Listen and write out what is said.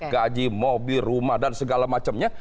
gaji mobil rumah dan segala macamnya